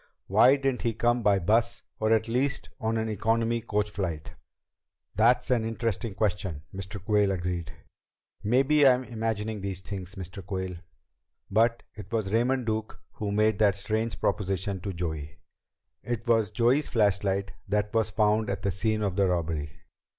Why didn't he come by bus, or at least on an economy coach flight?" "That's an interesting question," Mr. Quayle agreed. "Maybe I'm imagining things, Mr. Quayle. But it was Raymond Duke who made that strange proposition to Joey. It was Joey's flashlight that was found at the scene of the robbery.